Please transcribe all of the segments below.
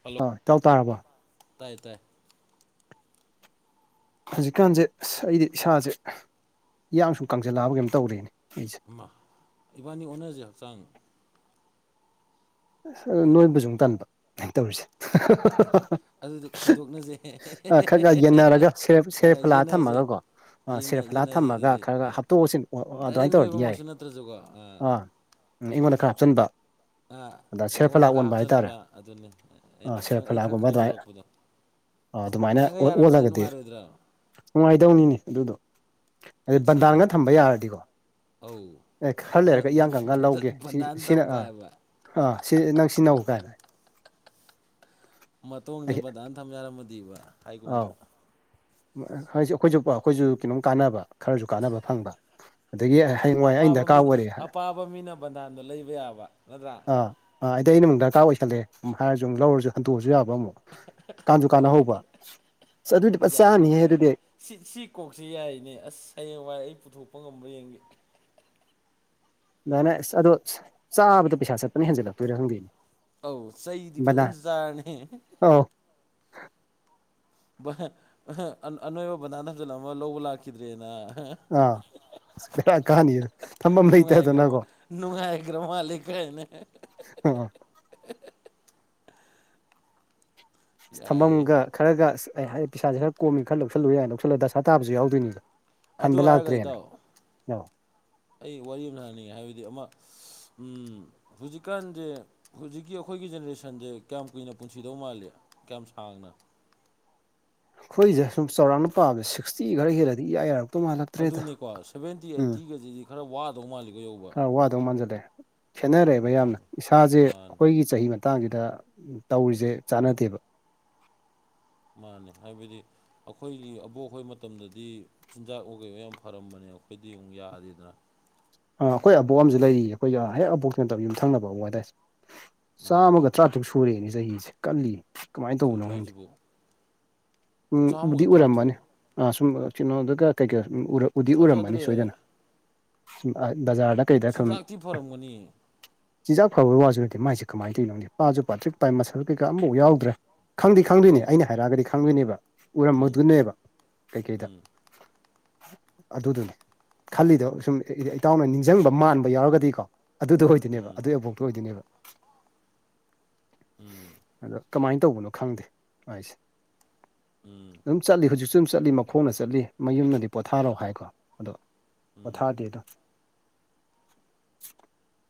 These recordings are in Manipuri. ꯍꯜꯂꯣ ꯍꯣꯏ ꯏꯇꯥꯎ ꯇꯥꯔꯕꯣ ꯇꯥꯏ ꯇꯥꯏ ꯍꯧꯖꯤꯛꯀꯥꯟꯁꯦ ꯑꯩꯗꯤ ꯏꯁꯥꯁꯦ ꯏꯌꯥꯡꯁꯨ ꯀꯪꯁꯤꯜꯂꯛꯑꯕ ꯀꯩꯝ ꯇꯧꯔꯅꯦ ꯑꯩꯁꯦ ꯑꯃ ꯏꯕꯥꯅꯤ ꯑꯣꯟꯅꯁꯦ ꯍꯛꯆꯥꯡ ꯑꯁ ꯅꯣꯏꯕꯁꯨ ꯇꯟꯕ ꯑꯩꯅ ꯇꯧꯔꯤꯁꯦ ꯑꯗꯨꯗꯤ ꯈꯥꯏꯗꯣꯛꯅꯁꯦ ꯑ ꯈꯛ ꯈꯥꯛ ꯌꯦꯟꯅꯔꯒ ꯁꯦꯞ ꯁꯦꯔꯐꯂꯥ ꯌꯦꯟꯅꯔꯁꯦ ꯊꯝꯃꯒꯀꯣ ꯌꯦꯡꯅ ꯁꯤꯔꯞꯐꯂꯥ ꯌꯦꯟꯅꯁꯦ ꯊꯝꯃꯒ ꯑꯗꯨꯗꯤ ꯈꯔ ꯈꯔ ꯍꯥꯞꯇꯣꯛꯑꯁꯤꯟ ꯗꯥꯏꯔꯦꯛ ꯑꯗꯨꯃꯥꯏꯅ ꯇꯧꯔꯗꯤ ꯌꯥꯏ ꯅꯣꯏꯕꯃꯛꯁꯨ ꯅꯠꯇ꯭ꯔꯁꯨꯀꯣ ꯑꯥ ꯑꯩꯉꯣꯟꯗ ꯈꯔ ꯍꯥꯞꯆꯤꯟꯕ ꯑ ꯑꯗ ꯁꯦꯔꯐꯂꯥ ꯅꯪꯉꯣꯟꯗ ꯈꯔ ꯑꯣꯟꯕ ꯍꯥꯏꯇꯥꯔꯦ ꯍꯥꯞꯆꯤꯟꯟꯕ ꯑꯗꯨꯅꯤ ꯑꯥ ꯑꯩꯅ ꯑꯩ ꯈꯛ ꯁꯦꯔꯐꯂꯥꯒꯨꯝꯕ ꯑꯗꯨꯃꯥꯏꯅ ꯈꯥꯏꯗꯣꯔꯛꯄꯗꯣ ꯑꯥ ꯑꯗꯨꯃꯥꯏꯅ ꯃꯗꯥꯏꯒ ꯑꯣꯜ ꯌꯥꯔꯝꯕꯗꯤ ꯑꯣꯜꯂꯒꯗꯤ ꯅꯨꯡꯉꯥꯏꯔꯣꯏꯗ꯭ꯔꯣ ꯅꯨꯡꯉꯥꯏꯗꯧꯅꯤꯅꯦ ꯑꯗꯨꯗꯣ ꯑꯗꯩ ꯕꯟꯗꯥꯡꯅ ꯊꯝꯕ ꯌꯥꯔꯗꯤꯀꯣ ꯑꯦ ꯈꯔ ꯂꯩꯔꯒ ꯏꯌꯥꯡ ꯑꯧꯕꯟꯟ ꯀꯪꯀꯥꯟ ꯂꯧꯒꯦ ꯁꯤ ꯕꯟꯙꯥꯟ ꯇ ꯁꯤꯅ ꯑꯥ ꯚꯏ ꯕꯥꯥꯏ ꯑꯥ ꯁꯤ ꯅꯪ ꯁꯤ ꯅꯧ ꯀꯥꯏꯅ ꯃꯇꯣꯡꯁꯦ ꯑꯩ ꯕꯗꯥꯅ ꯊꯝ ꯌꯥꯔꯝꯃꯗꯤꯕ ꯍꯥꯏꯒꯨꯝꯅ ꯑꯥꯎ ꯑꯩꯈꯣꯏꯁꯨ ꯑꯩꯈꯣꯏꯁꯨ ꯀꯣ ꯀꯥꯟꯅꯕ ꯈꯔꯁꯨ ꯀꯥꯟꯅꯕ ꯐꯪꯕ ꯑꯗꯒꯤ ꯍꯌꯦꯡꯋꯥꯏ ꯑꯩꯅ ꯑꯄꯥꯕ ꯗꯔꯀꯥꯔ ꯃꯤꯅ ꯑꯣꯏꯔꯦ ꯑꯄꯥꯕ ꯃꯤꯅ ꯕꯟꯗꯥꯟꯗꯣ ꯂꯩꯕ ꯌꯥꯕ ꯅꯠꯇ꯭ꯔꯥ ꯑ ꯑꯩꯗꯤ ꯑꯩꯃꯨꯛ ꯗꯔꯀꯥꯔ ꯑꯣꯏꯁꯜꯂꯦ ꯍꯥꯏꯔꯁꯨ ꯑꯃꯛ ꯂꯧꯔꯁꯨ ꯍꯟꯇꯣꯛꯑꯁꯨ ꯌꯥꯕ ꯑꯃꯨꯛ ꯀꯥꯟꯖꯨ ꯀꯥꯟꯅ ꯍꯣꯏ ꯍꯧꯕ ꯑꯗꯨꯗꯤ ꯐꯖ ꯌꯥꯏꯅꯦ ꯆꯥꯅꯤꯍꯦ ꯑꯗꯨꯗꯤ ꯁꯤ ꯁꯤ ꯀꯣꯛꯁꯦ ꯌꯥꯏꯅꯦ ꯑꯁ ꯍꯌꯦꯡꯋꯥꯏ ꯑꯩ ꯄꯨꯊꯣꯛꯄ ꯉꯝꯕ꯭ꯔꯥ ꯌꯦꯡꯒꯦ ꯑꯗꯥꯏꯅꯥ ꯑꯗꯨ ꯆꯕ ꯄꯤꯥꯁꯥ ꯆꯠꯄ ꯑꯗꯨꯅ ꯍꯦꯟꯖꯜꯂꯛꯇꯣꯏꯔꯥ ꯍꯪꯗꯣꯏꯅꯦ ꯑꯧ ꯆꯩꯗꯤ ꯍꯝꯕꯗ ꯐꯖꯅ ꯆꯥꯔꯅꯤ ꯑꯧ ꯑꯅꯣꯕ ꯕꯥꯟꯗꯟ ꯊꯝꯖꯤꯂꯝꯃꯒ ꯂꯧꯕ ꯂꯛꯈꯤꯗ꯭ꯔꯦꯅ ꯑꯥ ꯕꯦꯔꯥ ꯀꯥꯅꯤ ꯊꯝꯐꯝ ꯅꯨꯡꯉꯥꯏꯈ꯭ꯔ ꯂꯩꯇꯗꯅꯀꯣ ꯅꯨꯡꯉꯥꯏꯈ꯭ꯔ ꯃꯥꯜꯂꯦ ꯀꯥꯏꯅ ꯎꯝ ꯌꯥꯏꯌꯦ ꯊꯝꯐꯝꯒ ꯈꯔꯒ ꯍꯥꯏꯗꯤ ꯄꯩꯁꯥꯁꯦ ꯈꯔ ꯀꯣꯝꯃꯤ ꯈꯔ ꯂꯧꯁꯤꯜꯂꯨ ꯌꯥꯅ ꯂꯧꯁꯤꯜꯂꯒ ꯗꯁꯥ ꯇꯥꯕꯁꯨ ꯌꯥꯎꯗꯣꯏꯅꯤ ꯑꯗꯨ ꯍꯥꯏꯔꯒ ꯏꯇꯥꯎ ꯑꯧ ꯑꯩ ꯋꯥꯔꯤ ꯑꯃ ꯁꯥ ꯁꯥꯅꯤꯡꯉꯦ ꯍꯥꯏꯕꯗꯤ ꯑꯃ ꯎꯝ ꯍꯧꯖꯤꯛꯀꯥꯟꯁꯦ ꯍꯧꯖꯤꯛꯀꯤ ꯑꯩꯈꯣꯏꯒꯤ ꯖꯦꯅꯦꯔꯦꯁꯟꯁꯦ ꯀꯌꯥꯝ ꯀꯨꯏꯅ ꯄꯨꯟꯁꯤꯗꯧ ꯃꯥꯜꯂꯤ ꯀꯌꯥꯝ ꯁꯥꯡꯅ ꯑꯩꯈꯣꯏꯁꯦ ꯁꯨꯝ ꯆꯥꯎꯔꯥꯛꯅ ꯄꯥꯝꯕꯁꯦ ꯁꯤꯛꯁꯇꯤ ꯈꯔ ꯍꯦꯜꯂꯗꯤ ꯏꯌꯥ ꯌꯥꯔꯛꯄ ꯑꯗꯨꯅꯤꯀꯣ ꯁꯚꯦꯟꯇꯤ ꯑꯩꯠꯇꯤꯒꯁꯤꯗꯤ ꯈꯔ ꯋꯥꯗꯧ ꯃꯥꯜꯂꯤꯀꯣ ꯌꯧꯕ ꯑꯋꯥꯗꯧ ꯃꯥꯟꯖꯜꯂꯛꯑꯦ ꯈꯦꯠꯅꯔꯦꯕ ꯌꯥꯝꯅ ꯑꯗꯨꯅꯤ ꯏꯁꯥꯁꯦ ꯃꯥꯅꯤ ꯑꯩꯈꯣꯏꯒꯤ ꯆꯍꯤ ꯑꯃꯅꯦ ꯃꯇꯥꯡꯁꯤꯗ ꯇꯧꯔꯤꯁꯦ ꯆꯥꯟꯅꯗꯦꯕ ꯃꯥꯅꯤ ꯍꯥꯏꯕꯗꯤ ꯑꯩꯈꯣꯏꯒꯤ ꯑꯕꯣꯛꯈꯣꯏ ꯃꯇꯝꯗꯗꯤ ꯆꯤꯟꯖꯥꯛ ꯑꯣꯏꯒꯩ ꯌꯥꯝ ꯐꯔꯝꯕꯅꯦ ꯑꯩꯈꯣꯏꯗꯤ ꯑꯃꯨꯛ ꯌꯥꯗꯦꯗꯅ ꯑꯥ ꯑꯩꯈꯣꯏ ꯑꯕꯣꯛ ꯑ ꯑꯃꯁꯨ ꯂꯩꯔꯤꯌꯦ ꯑꯩꯈꯣꯏꯒ ꯍꯦꯛ ꯑꯕꯣꯛꯀꯤ ꯅꯠꯇꯕ ꯌꯨꯝꯊꯪꯅꯕ ꯑꯕ ꯍꯥꯏꯗꯥꯏ ꯎꯝ ꯆꯥꯝꯃꯒ ꯇꯔꯥꯇꯔꯨꯛ ꯁꯨꯔꯛꯦꯅꯦ ꯆꯍꯤꯁꯦ ꯀꯜꯂꯤ ꯀꯃꯥꯏꯅ ꯇꯧꯕꯅꯣ ꯀꯩꯅꯣ ꯈꯪꯗꯤ ꯍꯥꯏꯁꯤꯕꯨ ꯎꯝ ꯕꯨꯗꯤ ꯆꯥꯝꯃꯒ ꯑꯣꯏꯔꯝꯃꯅꯤ ꯇꯔꯥꯇꯔꯨꯛ ꯑꯥ ꯁꯨꯝ ꯀꯅꯣꯗꯨꯒ ꯀꯩꯀꯩ ꯎꯗꯤ ꯎꯔꯝꯃꯅꯤ ꯐꯖꯗ꯭ꯔꯦ ꯁꯣꯏꯗꯅ ꯕꯖꯥꯔꯗ ꯀꯩꯗ ꯈꯝ ꯆꯤꯟꯖꯥꯛꯇꯤ ꯐꯔꯝꯒꯅꯤ ꯆꯤꯟꯖꯥꯛ ꯐꯕꯒꯤ ꯋꯥꯁꯨ ꯅꯠꯇꯦ ꯃꯁꯦ ꯀꯃꯥꯏꯅ ꯇꯧꯔꯤꯅꯣꯅꯦ ꯄꯥꯁꯨ ꯄꯥꯊꯔꯛ ꯄꯥꯏ ꯃꯁꯜ ꯀꯩ ꯀꯩꯥ ꯑꯃꯇꯥ ꯐꯥꯎꯗ꯭ꯔꯥ ꯈꯪꯗꯦ ꯈꯪꯗꯣꯏꯅꯦ ꯑꯩꯅ ꯍꯥꯏꯔꯛꯑꯒꯗꯤ ꯈꯪꯗꯣꯏꯅꯦꯕ ꯎꯝ ꯎꯔꯝꯝꯕꯗꯨꯅꯦꯕ ꯀꯩꯀꯩꯗ ꯎꯝ ꯑꯗꯨꯗꯨꯅꯤ ꯈꯜꯂꯤꯗꯣ ꯁꯨꯝ ꯏꯇꯥꯎꯅ ꯅꯤꯡꯁꯤꯡꯕ ꯃꯥꯟꯕ ꯌꯥꯎꯔꯒꯗꯤꯀꯣ ꯑꯗꯨꯗ ꯑꯣꯏꯗꯣꯏꯅꯦꯕ ꯎꯝ ꯑꯗꯨꯏ ꯑꯕꯣꯛꯇ ꯑꯣꯏꯗꯣꯏꯅꯦꯕ ꯎꯝ ꯑꯗꯣ ꯀꯃꯥꯏꯅ ꯇꯧꯕꯅꯣ ꯈꯪꯗꯦ ꯑꯩꯁꯦ ꯎꯝ ꯆꯠꯂꯤ ꯍꯧꯖꯤꯛꯁꯨ ꯑꯗꯨꯨꯝ ꯆꯠꯂꯤ ꯃꯈꯣꯡꯅ ꯆꯠꯂꯤ ꯃꯌꯨꯝꯅꯗꯤ ꯄꯣꯊꯥꯔꯣ ꯍꯥꯏꯀꯣ ꯑꯗꯣ ꯎꯝ ꯄꯣꯊꯥꯗꯦ ꯑꯗꯣ [unintelligible]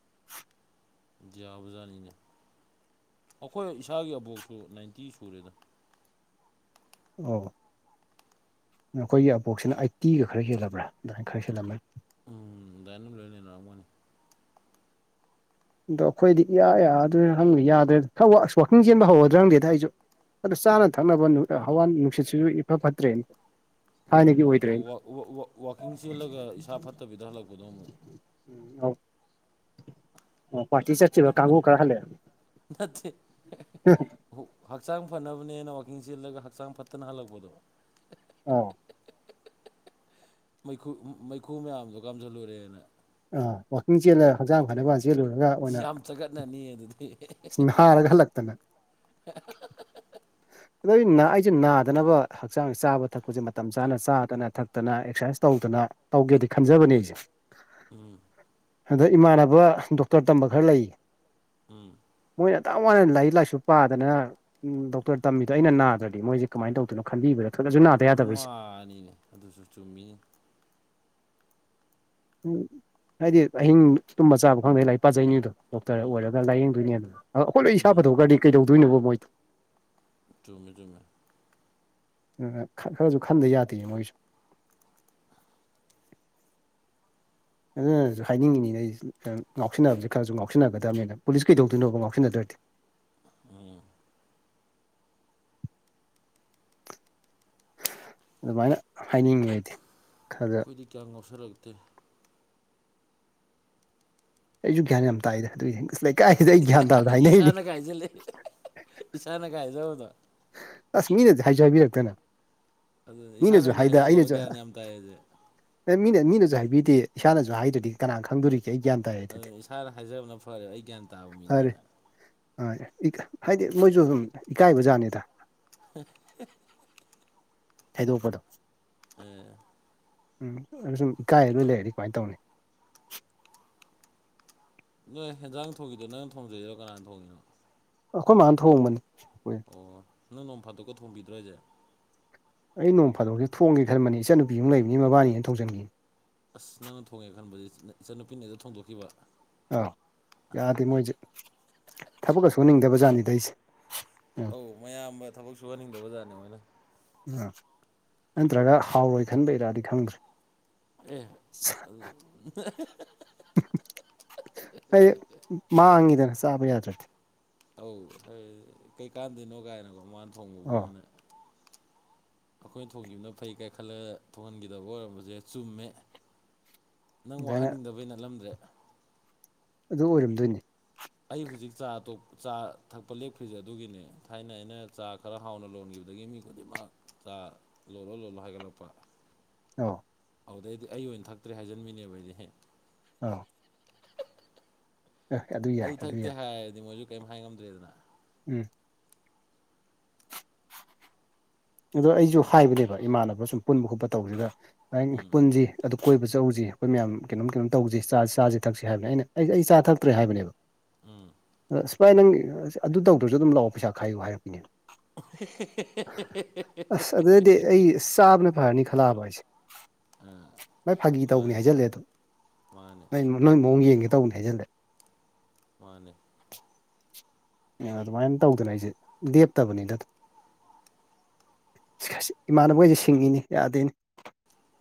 [inaudible] ꯏꯟꯗꯤꯌꯥ ꯖꯥꯅꯤꯅꯦ ꯑꯩꯈꯣꯏ ꯏꯁꯥꯒꯤ ꯑꯕꯣꯛꯁꯨ ꯅꯥꯏꯟꯇꯤ ꯁꯨꯔꯦꯗ ꯑꯣ ꯑꯩꯈꯣꯏꯒꯤ ꯑꯕꯣꯛꯁꯤꯅ ꯑꯩꯠꯇꯤꯒ ꯈꯔ ꯍꯦꯜꯂꯕ꯭ꯔꯥ ꯑꯗꯨꯃꯥꯏꯅ ꯈꯔ ꯍꯦꯜꯂꯝꯕ ꯎꯝ ꯑꯗꯨꯗꯥꯏ ꯑꯗꯨꯝ ꯂꯣꯏꯅ ꯂꯧꯔꯝꯃꯣꯏꯅꯤ ꯑꯗꯣ ꯑꯩꯈꯣꯏꯗꯤ ꯏꯌꯥ ꯌꯥꯗ꯭ꯔꯅ ꯍꯪꯗꯦ ꯌꯥꯗ꯭ꯔꯦ ꯈꯔ ꯋꯥꯥꯛꯀꯤꯡ ꯆꯦꯟꯕ ꯍꯧꯔꯗ꯭ꯔ ꯈꯪꯗꯦꯗ ꯑꯩꯁꯨ ꯑꯗ‌ꯣ ꯆꯥꯅ ꯊꯛꯅꯕ ꯍꯋꯥ ꯅꯨꯡꯁꯤꯠꯁꯤꯁꯨ ꯏꯐ ꯐꯠꯇ꯭ꯔꯦꯅꯤ ꯋꯥꯋꯥꯛꯀꯤꯡ ꯆꯦꯜꯂꯒ ꯏꯁꯥ ꯐꯠꯇꯕꯤꯗ ꯍꯜꯂꯛꯄꯗꯣ ꯑꯃꯨꯛ ꯑꯧ ꯑꯣ ꯄꯥꯔꯇꯤ ꯆꯠ ꯅꯠꯇꯦ ꯍꯛꯆꯥꯡ ꯐꯅꯕꯅꯦꯅ ꯋꯥꯛꯀꯤꯡ ꯆ‌ꯦꯜꯂꯒ ꯍꯛꯆꯥꯡ ꯐꯠꯇꯅ ꯍꯜꯂꯛꯄꯗꯣ ꯑꯥ [unintelligible] ꯃꯩꯈꯨ ꯃꯩꯈꯨ ꯃꯌꯥꯝꯗꯣ ꯀꯥꯝꯁꯤꯜꯂꯨꯔꯦꯅ ꯑ ꯋꯥꯀꯤꯡ ꯆꯦꯜꯂꯒ ꯍꯛꯆꯥꯡ ꯐꯠꯅꯕꯅ ꯆꯦꯜꯂꯨꯔꯦ ꯌꯥꯝ ꯆꯒꯠꯅꯅꯤ ꯑꯗꯨꯗꯤ ꯍꯔꯒꯜ ꯂꯥꯛꯇꯅꯦꯅ ꯍ ꯑꯗ ꯑꯩꯁꯦ ꯅꯥꯗꯅꯕ ꯍꯛꯆꯥꯡ ꯆꯥꯕ ꯊꯛꯄꯁꯦ ꯃꯇꯝ ꯆꯥꯅ ꯆꯥꯗꯅ ꯊꯛꯇꯅ ꯑꯦꯛꯁꯔꯁꯥꯏꯁ ꯇꯧꯗꯅ ꯇꯧꯒꯦꯗꯤ ꯈꯟꯖꯕꯅꯦ ꯑꯩꯁꯦ ꯎꯝ ꯑꯗ ꯏꯃꯥꯟꯅꯕ ꯗꯣꯛꯇꯔ ꯇꯝꯕ ꯈꯔ ꯂꯩꯌꯦ ꯎꯝ ꯃꯣꯏꯅ ꯋꯥꯏꯅ ꯂꯥꯏꯔꯤꯛ ꯂꯥꯏꯁꯨ ꯄꯥꯗꯅ ꯎꯝ ꯗꯣꯛꯇꯔ ꯇꯝꯃꯤꯗꯣ ꯑꯩꯅꯅꯥꯗ꯭ꯔꯗꯤ ꯃꯣꯏꯦ ꯀꯃꯥꯏ ꯇꯧꯗꯅꯣ ꯈꯟꯕꯤꯕꯗ ꯈꯗꯅꯁꯨ ꯅꯥꯗ꯭ꯔꯦ ꯃꯥꯅꯤꯅꯦ ꯑꯗꯨꯁꯨ ꯆꯨꯝꯃꯤ ꯎꯝ ꯍꯥꯏꯗꯤ ꯑꯍꯤꯡ ꯇꯨꯝꯕ ꯆꯥꯕ ꯈꯪꯗꯩ ꯂꯥꯏꯔꯤꯛ ꯄꯥꯖꯩꯅꯤꯗꯣ ꯗꯣꯛꯇꯔ ꯑꯣꯏꯔꯒ ꯂꯥꯏꯌꯦꯡꯗꯣꯏꯅꯦ ꯑꯗꯨꯅ ꯑ ꯑꯩꯈꯣꯏ ꯂꯣꯏ ꯏꯁꯥꯐꯗ‌ꯣꯛꯈꯔꯗꯤ ꯀꯩꯗꯧꯗꯣꯏꯅ‌ꯣ ꯃꯣꯏꯗꯣ ꯇꯨꯝꯃꯦ-ꯇꯨꯝꯃꯦ ꯈꯔꯁꯨ ꯈꯟꯗ ꯌꯥꯗꯦ ꯃꯣꯏꯁꯨ ꯑꯗꯨꯁꯨ ꯍꯥꯏꯅꯤꯡꯉꯤꯅꯤꯅꯦ ꯑꯩ ꯉꯥꯎꯁꯤꯟꯅꯕꯁꯦ ꯈꯔꯁꯨ ꯉꯥꯎꯁꯤꯟꯅꯒꯗꯕꯅꯤꯅ ꯄꯨꯂꯤꯁ ꯀꯩꯗꯧꯗꯣꯏꯅꯣꯕ ꯉꯥꯎꯁꯤꯟꯅꯗ꯭ꯔꯗꯤ ꯎꯝ ꯑꯗꯨꯃꯥꯏꯅ ꯍꯥꯏꯅꯤꯡꯉꯦ ꯍꯥꯏꯗꯤ ꯈꯔꯗ ꯑꯩꯈꯣꯏꯗꯤ ꯀꯌꯥꯝ ꯉꯥꯎꯁꯜꯂꯛꯇꯦ ꯑꯩꯁꯨ ꯒ꯭ꯌꯥꯟ ꯌꯥꯝ ꯇꯥꯏꯗ ꯑꯗꯨꯏꯗꯤ ꯏꯁꯥꯅꯒ ꯍꯥꯏꯖꯜꯂꯦ ꯏꯁꯥꯅꯒ ꯍꯥꯏꯖꯕꯗꯣ ꯑꯁ ꯃꯤꯅꯗꯤ ꯍꯥꯏꯖꯦ ꯍꯥꯏꯕꯤꯔꯛꯇꯅ ꯑꯗꯨ ꯏꯁꯥꯅ‌ ꯃꯤꯅꯁꯨ ꯑꯣꯏꯅ ꯍꯥꯏꯖꯔꯦꯕ ꯒ꯭ꯌꯥꯟ ꯌꯥꯝ ꯇꯥꯏꯌꯦꯁꯦ ꯑꯦ ꯃꯤꯅ ꯃꯤꯅꯁꯨ ꯍꯥꯏꯕꯤꯗꯦ ꯏꯁꯥꯅꯁꯨ ꯍꯥꯏꯗ꯭ꯔꯗꯤ ꯀꯅꯥꯅ ꯈꯪꯗꯣꯔꯤꯒꯦ ꯑꯩ ꯒꯥꯏꯟ ꯑꯗꯨꯅ ꯏꯁꯥꯗ ꯍꯥꯏꯖꯕꯅ ꯐꯔꯦ ꯑꯩ ꯒ꯭ꯌꯥꯟ ꯇꯥꯕ ꯃꯤꯅꯦꯅ ꯐꯔꯦ ꯍꯥꯏꯗꯤ ꯃꯣꯏꯁꯨ ꯑꯗꯨꯝ ꯏꯀꯥꯏꯕ ꯖꯥꯠꯅꯤꯗ ꯍ ꯍꯩꯗꯣꯛꯄꯗꯣ ꯑ ꯎꯝ ꯑꯗꯨ ꯁꯨꯝ ꯏꯀꯥꯏ ꯂꯣꯏ ꯂꯩꯔꯗꯤ ꯀꯃꯥꯏꯅ ꯇꯧꯅꯤ ꯅꯣꯏ ꯍꯦꯟꯖꯥꯡ ꯊꯣꯡꯈꯤꯕꯗꯣ ꯅꯪ ꯊꯣꯡꯖꯩꯔꯣ ꯀꯅꯥꯅ ꯊꯣꯡ‌ ꯏꯅꯣ ꯑꯩꯈꯣꯏ ꯃꯥꯅ ꯊꯣꯡꯕꯅꯤ ꯑꯣ ꯅꯪ ꯅꯣꯡ ꯐꯥꯇꯣꯛꯀ ꯊꯣꯡꯕꯤꯗ꯭ꯔꯣ ꯍꯥꯏꯁꯦ ꯑꯩ ꯅꯣꯡ ꯐꯥꯗꯣꯛꯒꯦ ꯊꯣꯡꯒꯦ ꯈꯟꯕꯅꯤ ꯏꯆꯟ ꯅꯨꯄꯤ ꯃꯨꯛ ꯂꯩꯕꯅꯤ ꯃꯕꯥꯅꯤꯅ ꯊꯣꯡꯖꯟꯈꯤ ꯑꯁ ꯅꯪꯅ ꯊꯣꯡꯉꯦ ꯈꯟꯕꯁ‌ꯦ ꯏꯆꯟꯅꯨꯄꯤꯅ ꯍ‌ꯦꯛꯇ ꯊꯣꯡꯗꯣꯛꯈꯤꯕ ꯑꯧ ꯌꯥꯗꯦ ꯃꯣꯏꯁꯦ ꯊꯕꯛꯀ ꯁꯨꯍꯅꯤꯡꯗꯕꯖꯥꯠꯅꯤꯗ ꯑꯩꯁꯦ ꯑꯧ ꯃꯌꯥꯝꯕ ꯊꯕꯛ ꯁꯨꯍꯟꯅꯤꯡꯗꯕ ꯖꯥꯠꯅ‌ꯦ ꯃꯣꯏꯅ ꯎ ꯅꯠꯇ꯭ꯔꯒ ꯍꯥꯎꯔꯣꯏ ꯈꯟꯕꯩꯔꯗꯤ ꯈꯪꯗ꯭ꯔꯦ ꯑꯦ ꯑꯗꯨ ꯑꯩ ꯃꯥꯡꯉꯤꯗꯅ ꯆꯥꯕ ꯌꯥꯗ꯭ꯔꯗꯤ ꯑꯧ ꯍꯣꯏ ꯀꯩꯀꯥꯟꯗꯅꯣ ꯀꯥꯏꯅꯀꯣ ꯃꯥꯅ ꯑꯣ ꯊꯣꯡꯕꯕꯨꯅ ꯑꯩꯈꯣꯏꯅ ꯊꯣꯡꯈꯤꯕꯅ ꯐꯩ ꯀꯥꯏ ꯈꯜꯂꯒ ꯊꯣꯡꯍꯟꯈꯤꯗꯕ ꯑꯣꯏꯔꯝꯕꯁꯦ ꯆꯨꯝꯃꯦ ꯅꯪ ꯑꯗꯨꯃꯥꯏꯅ ꯋꯥꯍꯟꯅꯤꯡꯗꯕꯩ ꯅꯠꯂꯝꯗ꯭ꯔꯦ ꯑꯗꯨ ꯑꯣꯏꯔꯝꯗꯣꯏꯅꯤ ꯑꯩ ꯍꯧꯖꯤꯛ ꯆꯥ ꯆꯥ ꯊꯛꯄ ꯂꯦꯞꯈ꯭ꯔꯤꯁꯦ ꯑꯗꯨꯒꯤꯅꯦ ꯊꯥꯏꯅ ꯑꯩꯅ ꯆꯥ ꯈꯔ ꯍꯥꯎꯅ ꯂꯣꯟꯈꯤꯕꯗꯒꯤ ꯃꯤ ꯈꯨꯗꯤꯡꯃꯛ ꯆꯥ ꯂꯣꯏꯂꯣ ꯂꯣꯜꯂꯣ ꯍꯥꯏꯒꯠꯂꯛꯄ ꯑꯣ ꯑꯧꯗꯩꯗꯤ ꯑꯩ ꯑꯣꯏꯅ ꯊꯛꯇ꯭ꯔꯦ ꯍꯥꯏꯖꯟꯕꯤꯅꯦꯕ ꯑꯩꯗꯤ ꯑꯥꯎ ꯑꯗꯨ ꯌꯥꯏ ꯑꯩ ꯑꯗꯨ ꯊꯛꯇꯦ ꯌꯥꯏ ꯍꯥꯏꯔꯗꯤ ꯃꯣꯏꯖꯨ ꯀꯔꯤꯝ ꯍꯥꯏ ꯉꯝꯗ꯭ꯔꯦꯗꯅ ꯎꯝ ꯑꯗꯣ ꯑꯩꯁꯨ ꯍꯥꯏꯕꯅꯦꯕ ꯏꯃꯥꯟꯅꯕ ꯁꯨꯝ ꯄꯨꯟꯕ ꯈꯣꯠꯄ ꯇꯧꯕꯁꯤꯗ ꯎꯝ ꯄꯨꯟꯖꯤ ꯑꯗꯨ ꯀꯣꯏꯕ ꯆꯠꯍꯧꯁꯤ ꯑꯩꯈꯣꯏ ꯃꯌꯥꯝ ꯀꯩꯅꯣꯝ ꯀꯩꯅꯣꯝ ꯇꯧꯁꯤ ꯆꯥꯖꯤ ꯊꯛꯁꯤ ꯍꯥꯏꯕꯅꯦ ꯑꯩꯅ ꯑꯩ ꯑꯩ ꯆꯥ ꯊꯛꯇ꯭ꯔꯦ ꯍꯥꯏꯕꯅꯦꯕ ꯎꯝ ꯑꯁ ꯚꯥꯏ ꯅꯪ ꯑꯗꯨ ꯇꯧꯗ꯭ꯔꯁꯨ ꯑꯗꯨꯝ ꯂꯥꯛꯑꯣ ꯄꯩꯁꯥ ꯈꯥꯏꯌꯨ ꯍꯥꯏꯔꯛꯄꯤꯅꯦ [unintelligible] ꯑꯁ ꯑꯗꯨꯗꯩꯗꯤ ꯑꯩ ꯆꯥꯕꯅ ꯐꯔꯅꯤ ꯈꯜꯂꯑꯕ ꯍꯥꯏꯁꯦ ꯚꯥꯏ ꯐꯥꯒꯤ ꯇꯧꯕꯅꯤ ꯃꯥꯅꯦ ꯍꯥꯏꯖꯜꯂꯦ ꯑꯗꯨꯝ ꯃꯥꯅꯦ ꯅꯣꯏ ꯅꯣꯏ ꯃꯑꯣꯡ ꯌꯦꯡꯒꯦ ꯇꯧꯕꯅꯤ ꯍꯥꯏꯖꯜꯂꯦ ꯃꯥꯅꯦ ꯑꯗꯨꯃꯥꯏ ꯇꯧꯗꯅ ꯑꯩꯁꯦ ꯂꯦꯞꯇꯕꯅꯤꯗꯗꯨꯝ ꯏꯃꯥꯟꯅꯕꯒꯩꯁꯦ ꯁꯤꯡꯉꯤꯅꯤ ꯌꯥꯗ‌ꯦꯅ‌ꯦ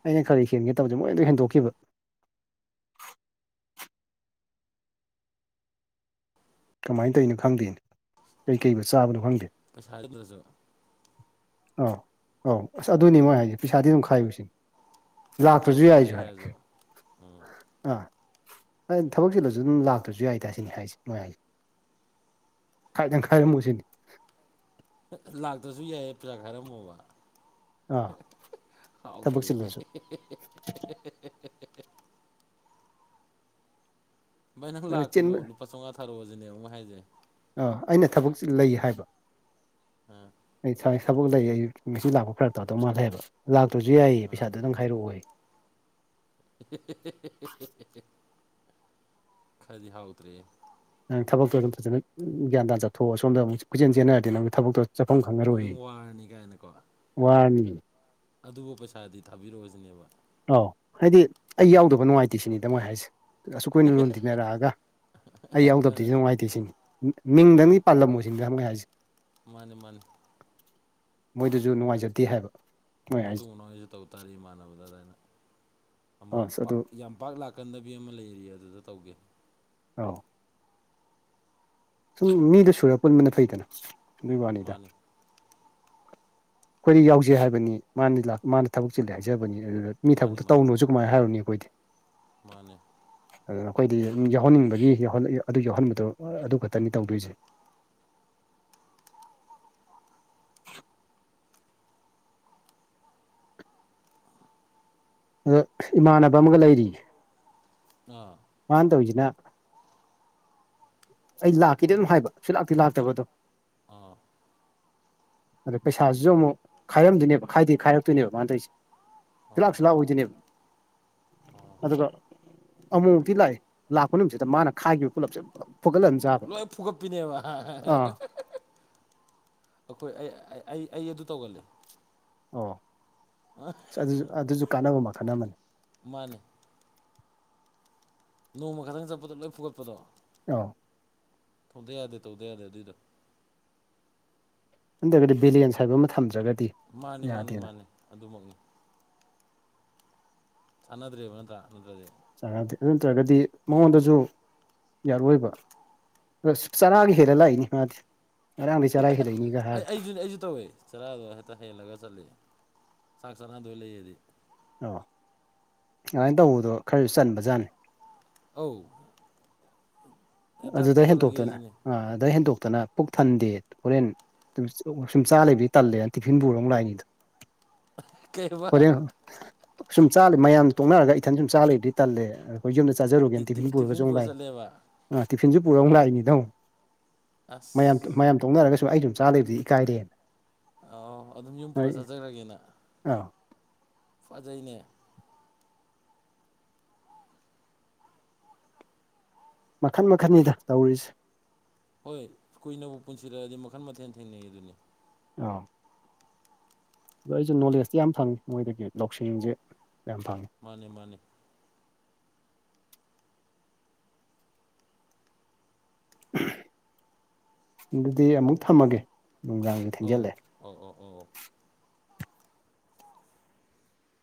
ꯑꯩꯅ ꯈꯔꯤ ꯍꯦꯟꯒꯦ ꯇꯕꯗꯦ ꯃꯣꯏꯗ ꯍꯦꯟꯗꯣꯛꯈꯤꯕ ꯀꯃꯥꯏ ꯇꯧꯏꯅꯣ ꯈꯪꯗꯦ ꯀꯩ ꯀꯩꯕꯨ ꯆꯥꯕꯅꯣ ꯈꯪꯗꯦ ꯄꯩꯁꯥ ꯂꯩꯇ꯭ꯔꯥꯁꯨ ꯑꯧ ꯑꯧ ꯑꯁ ꯑꯗꯨꯅꯦ ꯃꯣꯏ ꯍꯥꯏꯁꯦ ꯄꯩꯁꯥꯗꯤ ꯑꯗꯨꯝ ꯈꯥꯏꯌꯨ ꯁꯤꯅꯤ ꯊꯛꯇꯦ ꯂꯥꯛꯇꯔꯥꯁꯨꯨ ꯆꯥꯗ꯭ꯔꯦ ꯌꯥꯏꯁꯨꯨ ꯍꯥꯏꯔꯁꯨ ꯍꯥꯏ ꯑꯥ ꯊꯕꯛꯆꯤꯜꯂꯁꯨ ꯑꯗꯨꯝ ꯂꯥꯛꯇ꯭ꯔꯁꯨ ꯌꯥꯏꯗ ꯁꯤꯅꯤ ꯍꯥꯏꯁꯦ ꯃꯣꯏ ꯍꯥꯏꯁꯦ ꯈꯥꯏꯗꯪ ꯈꯥꯏꯔꯝꯃꯨ ꯁꯤꯅꯤ ꯂꯥꯛꯇ꯭ꯔꯥꯁꯨ ꯌꯥꯏꯌꯦ ꯄꯩꯁꯥ ꯈꯥꯏꯔꯝꯃꯣꯕ ꯑꯥ ꯊꯕꯛ ꯍꯥꯎꯇꯔꯦꯍꯦ ꯆꯤꯜꯂꯁꯨ [unintelligible] ꯚꯥꯏ ꯅꯪ ꯂꯥꯛꯀꯅꯣ ꯆꯤꯟꯕ ꯂꯨꯄꯥ ꯆꯧꯉꯥ ꯊꯥꯔꯛꯑꯣ ꯁꯤꯅꯦꯕ ꯃꯣꯏ ꯍꯥꯏꯁꯦ ꯑ ꯑꯩꯅ ꯊꯕꯛꯁꯤ ꯂꯩ ꯍꯥꯏꯕ ꯑꯥ ꯑꯩ ꯊꯕꯛ ꯂꯩ ꯑꯩ ꯉꯁꯤ ꯂꯥꯛꯄ ꯐꯔ ꯇꯥꯗꯧ ꯃꯥꯜꯂꯦ ꯍꯥꯏꯕ ꯂꯥꯛꯇ꯭ꯔꯁꯨ ꯌꯥꯏꯌꯦ ꯑꯥ ꯄꯩꯁꯥꯗꯨꯗꯪ ꯈꯥꯏꯔꯛꯑꯣꯌꯦ [unintelligible] ꯈꯔꯥꯗꯤ ꯍꯥꯎꯇ꯭ꯔꯦꯍꯦ ꯅꯪ ꯊꯕꯛꯇꯣ ꯑꯗꯨꯝ ꯐꯖꯅ ꯒ꯭ꯌꯥꯟ ꯇꯥꯥꯅꯥꯊꯣꯛꯑꯣ ꯁꯣꯝꯗꯃꯨꯛ ꯀꯣꯏꯆꯦꯟ ꯆꯦꯟꯅꯔꯗꯤ ꯅꯪ ꯊꯕꯛꯇꯣ ꯆꯠꯐꯝ ꯈꯪꯉꯔꯣꯏ ꯅꯪ ꯋꯥꯔꯅꯤ ꯀꯥꯏꯅꯀꯣ ꯋꯥꯔꯅꯤ ꯑꯗꯨꯕꯨ ꯄꯩꯁꯥꯗꯤ ꯊꯥꯕꯤꯔꯛꯑꯣꯁꯤꯅꯦꯕ ꯑꯧ ꯍꯥꯏꯗꯤ ꯑꯩ ꯌꯥꯎꯗꯕ ꯅꯨꯡꯉꯥꯏꯇꯦ ꯁꯤꯅꯤ ꯗ ꯃꯣꯏ ꯍꯥꯏꯁꯦ ꯑꯁꯨꯛ ꯀꯨꯏꯅ ꯂꯨ ꯇꯤꯟꯅꯔꯛꯑꯒ ꯑꯩ ꯌꯥꯎꯗꯕꯗꯤ ꯅꯨꯡꯉꯥꯏꯇꯦ ꯁꯤꯅꯤ ꯑꯥ ꯃꯤꯡꯗꯪꯗꯤ ꯄꯥꯜꯂꯝꯃꯣꯏꯁꯤꯅꯤꯗ ꯃꯣꯏ ꯍꯥꯏꯁꯦ ꯃꯥꯅꯤ ꯃꯥꯅꯤ ꯃꯣꯏꯗꯖꯨ ꯅꯨꯡꯉꯥꯏꯖꯗꯦ ꯍꯥꯏꯕ ꯃꯣꯏ ꯍꯥꯏꯁꯦ ꯃꯇꯨꯡ ꯃꯅꯥꯎ ꯑꯩꯁꯨ ꯇꯧꯇꯥꯔꯦ ꯏꯃꯥꯟꯅꯕꯗ ꯑꯗꯥꯏꯅ ꯑꯃ ꯑꯁ ꯄꯥꯛ ꯑꯗꯨ ꯌꯥꯝ ꯄꯥꯛ ꯂꯥꯛꯀꯟꯗꯕꯤ ꯑꯃ ꯂꯩꯔꯤꯌꯦ ꯑꯗꯨꯗ ꯇꯧꯒꯦ ꯑꯥꯎ ꯁꯨꯝ ꯃꯤꯗꯣ ꯁꯨꯔ ꯄꯨꯟꯕꯅ ꯐꯩꯗꯅ ꯑꯗꯨꯏ ꯋꯥꯅꯤꯗ ꯃꯥꯅꯤ ꯑꯩꯈꯣꯏꯗꯤ ꯌꯥꯎꯖꯦ ꯍꯥꯏꯕꯅꯤ ꯃꯥꯅ ꯂꯥꯛ ꯃꯥꯅ ꯊꯕꯛ ꯆꯤꯜꯂꯦ ꯍꯥꯏꯖꯕꯅꯤ ꯑꯗꯨꯅ ꯃꯤ ꯃꯥꯅꯤ ꯊꯕꯛꯇꯣ ꯃꯥꯅꯤ ꯇꯧꯅꯨꯁꯨ ꯀꯃꯥꯏꯅ ꯍꯥꯏꯔꯨꯅꯤ ꯑꯩꯈꯣꯏꯗꯤ ꯃꯥꯅꯦ ꯑꯗꯨꯅ ꯑꯩꯈꯣꯏꯗꯤ ꯌꯥꯎꯍꯟꯅꯤꯡꯕꯒꯤ ꯑꯗꯨ ꯌꯥꯎꯍꯟꯕꯗꯣ ꯑꯗꯨ ꯈꯛꯇꯅꯤ ꯇꯧꯗꯣꯏꯁꯦ ꯑꯗꯣ ꯏꯃꯥꯟꯅꯕ ꯑꯃꯒ ꯂꯩꯔꯤꯌꯦ ꯑꯥ ꯃꯥ ꯇꯧꯏꯖꯤꯅ ꯑꯩ ꯂꯥꯛꯀꯦꯗꯤ ꯑꯗꯨꯝ ꯍꯥꯏꯕ ꯁꯨꯂꯥꯛꯇꯤ ꯂꯥꯛꯇꯕ ꯑꯗꯣ ꯑꯥ ꯑꯗ ꯄꯩꯁꯥꯁꯤꯁꯨ ꯑꯃꯨꯛ ꯈꯥꯏꯔꯝꯗꯣꯏꯅꯦꯕ ꯈꯥꯏꯗꯤ ꯈꯥꯏꯔꯛꯇꯣꯏꯅꯦꯕ ꯃꯥꯅ ꯇꯧꯔꯤꯁꯦ ꯑꯥ ꯁꯨꯂꯥꯛꯁꯨ ꯂꯥꯛ ꯑꯣꯏꯗꯣꯏꯅꯦꯕ ꯑꯥ ꯑꯗꯨꯒ ꯑꯃꯨꯛ ꯂꯥꯛꯌ‌ꯦ ꯂꯥꯛꯄ ꯅꯨꯃꯤꯠꯁꯤꯗ ꯃꯥꯅ ꯈꯥꯏꯈꯤꯕ ꯄꯨꯂꯞꯁꯦ ꯀ‌ꯣ ꯂꯣꯏ ꯐꯨꯒꯠꯄꯤꯅꯦꯕ ꯑꯥ ꯑꯩꯈꯣꯏ ꯑꯩ ꯑꯩ ꯑꯩ ꯑꯗꯨ ꯇꯧꯒꯜꯂꯦ ꯑꯣ ꯍꯥ ꯑꯗꯨꯁꯨ ꯑꯗꯨꯁꯨ ꯀꯥꯟꯅꯕ ꯃꯈꯜ ꯑꯃꯅꯤ ꯃꯥꯟꯅ‌ꯦ ꯅꯣꯡꯃ ꯈꯛꯇꯪ ꯆꯠꯄꯗ ꯂꯣꯏ ꯐꯨꯒꯠꯄꯗꯣ [unintelligible] ꯇꯧꯗ ꯌꯥꯗ‌ꯦ ꯇꯧꯗ ꯌꯥꯗ‌ꯦ ꯑꯗꯨꯏꯗ‌ꯣ ꯅꯠꯇ‌ꯦꯕ ꯕꯦꯂꯦꯟꯁ ꯍꯥꯏꯕ ꯑꯃ ꯊꯝꯗ꯭ꯔꯒꯗꯤ ꯃꯥꯟꯅꯦ ꯃꯥꯟꯅꯦ ꯌꯥꯗꯦꯅ ꯃꯥꯟꯅꯦ ꯑꯗꯨꯃꯛꯅꯤ ꯆꯥꯟꯅꯗ꯭ꯔꯦꯕ ꯅꯠꯇ꯭ꯔꯥ ꯑꯗꯨꯗꯗꯤ ꯆꯥꯅꯗꯦ ꯑꯗꯨ ꯅꯠꯇ꯭ꯔꯒꯗꯤ ꯃꯉꯣꯟꯗꯁꯨ ꯌꯥꯔꯛꯑꯣꯏꯕ ꯑꯁ ꯆꯔꯥꯒꯤ ꯍꯦꯜꯂ ꯂꯥꯛꯏꯅꯤ ꯃꯥꯗꯤ ꯉꯔꯥꯡꯗꯩ ꯆꯔꯥ ꯍꯦꯜꯂꯛꯏꯅꯤ ꯑꯩ ꯑꯩꯁꯨꯅꯦ ꯑꯩꯁꯨ ꯇꯧꯌ‌ꯦ ꯆꯔꯥꯗꯣ ꯍꯦꯛꯇ ꯍꯦꯜꯂꯒ ꯆꯠꯂ‌ꯦ ꯆꯥꯛ ꯆꯥꯅꯗꯣꯏ ꯂꯩꯔꯗꯤ ꯑꯣ ꯑꯗꯨꯃꯥꯏꯅ ꯇꯧꯕꯗꯣ ꯈꯔꯁꯨ ꯆꯟꯕꯖꯥꯠꯅꯤ ꯑꯧ ꯍꯦꯛꯇ ꯑꯗꯨꯗ ꯐꯨꯒꯠꯂꯒꯦ ꯍꯦꯟꯗ‌ꯣꯛꯇꯅ ꯁꯤꯅꯤ ꯑꯥ ꯑꯗꯨꯗ ꯍꯦꯟꯗꯣꯛꯇꯅ ꯄꯨꯛ ꯊꯟꯗꯦ ꯍꯣꯔꯦꯟ ꯁꯨꯝ ꯆꯥ ꯂꯩꯕꯗꯤ ꯇꯜꯂꯦꯅ ꯇꯤꯐꯤꯟ ꯄꯨꯔꯒ ꯑꯃꯨꯛ ꯂꯥꯛꯏꯅꯤꯗꯣ ꯀꯩꯕ ꯍꯣꯔꯦꯟ ꯁꯨꯝ ꯆꯥ ꯃꯌꯥꯝ ꯇꯣꯛꯅꯔꯒ ꯏꯊꯟ ꯁꯨꯝ ꯆꯥ ꯂꯩꯕꯗꯤ ꯇꯜꯂꯦꯅ ꯍ‌ꯣꯏ ꯌꯨꯝ ꯆꯥꯖꯔꯨꯒꯦꯅ ꯇꯤꯐꯤꯟ ꯄꯨꯔꯒꯁꯨ ꯑꯃꯨꯛ ꯂꯥꯛ [unintelligible] ꯑ ꯇꯤꯐꯤꯟꯁꯨ ꯄꯨꯔ ꯑꯃꯨꯛ ꯂꯥꯛꯏꯅꯤꯗ‌ꯣ ꯃꯌꯥꯝ ꯃꯌꯥꯝ ꯑꯁ ꯇ‌ꯣꯛꯅꯔꯒꯁꯨ ꯑꯩ ꯑꯗꯨꯝ ꯆꯥ ꯂꯩꯕꯗꯤ ꯏꯀꯥꯏꯔꯦꯅ ꯑ ꯑꯗꯨꯝ ꯌꯨꯝ ꯍꯣꯏ ꯄꯨꯔ ꯆꯥꯖꯔꯒꯦꯅ ꯑꯥ ꯐꯖꯩꯅꯦ ꯃꯈꯟ ꯃꯈꯟꯅꯤꯗ ꯇꯧꯔꯤꯁꯦ ꯍꯣꯏ ꯀꯨꯏꯅꯕꯨ ꯄꯨꯟꯁꯤꯔꯛꯑꯗꯤ ꯃꯈꯟ ꯃꯊꯦꯜ ꯊꯦꯡꯅꯩꯌ‌ꯦꯗꯨꯅꯤ ꯑꯥ ꯑꯗꯣ ꯑꯩꯁꯨ ꯅꯣꯂꯦꯖꯇꯤ ꯌꯥꯝ ꯐꯪꯉꯤ ꯃꯣꯏꯗꯒꯤ ꯂꯧꯁꯤꯡꯁꯦ ꯌꯥꯝ ꯐꯪꯉꯦ ꯃꯥꯅꯦ ꯃꯥꯅꯦ ꯑꯗꯨꯗꯤ ꯑꯃꯨꯛ ꯊꯝꯃꯒꯦ ꯅꯨꯡꯗꯥꯡꯁ‌ꯦ ꯑꯧ ꯊꯦꯡꯖꯤꯜꯂꯛꯑꯦ ꯑꯧ ꯑꯧ ꯑꯧ